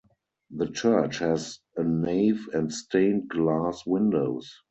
The church has a nave and stained glass windows.